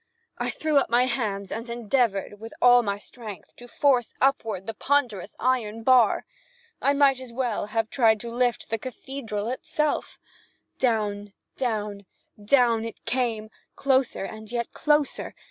I threw up my hands and endeavored, with all my strength, to force upward the ponderous iron bar. I might as well have tried to lift the cathedral itself. Down, down, down it came, closer and yet closer.